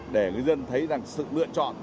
để người dân thấy rằng sự lựa chọn